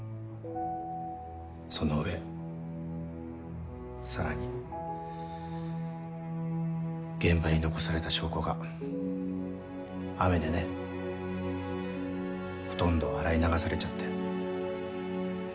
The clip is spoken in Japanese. その上さらに現場に残された証拠が雨でねほとんど洗い流されちゃって。